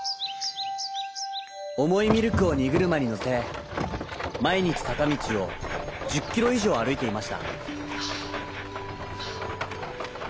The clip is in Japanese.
おもいミルクをにぐるまにのせまいにちさかみちを１０キロいじょうあるいていました。